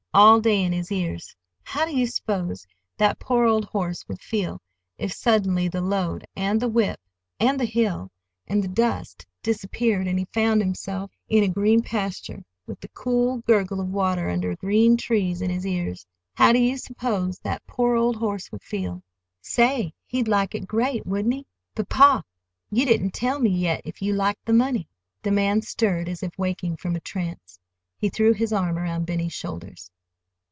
all day in his ears—how do you suppose that poor old horse would feel if suddenly the load, and the whip, and the hill, and the dust disappeared, and he found himself in a green pasture with the cool gurgle of water under green trees in his ears—how do you suppose that poor old horse would feel?" "Say, he'd like it great, wouldn't he? But, pa, you didn't tell me yet if you liked the money." The man stirred, as if waking from a trance. He threw his arm around Benny's shoulders.